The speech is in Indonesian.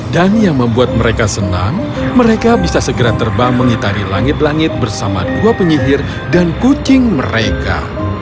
dan yang membuat mereka senang mereka bisa segera terbang mengitari langit langit bersama dua penyihir dan kucing mereka